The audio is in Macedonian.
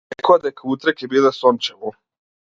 Рекоа дека утре ќе биде сончево.